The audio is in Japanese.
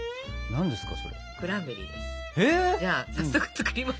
何ですか？